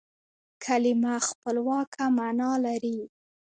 کلیمه خپلواکه مانا لري.